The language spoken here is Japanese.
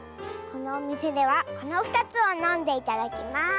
このおみせではこの２つをのんでいただきます。